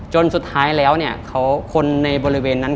จนสุดท้ายแล้วเนี่ยคนในบริเวณนั้น